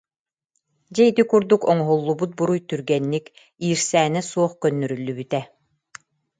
Дьэ ити курдук оҥоһуллубут буруй түргэнник, иирсээнэ суох көннөрүллүбүтэ